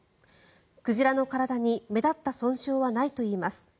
鯨の体に目立った損傷はないといいます。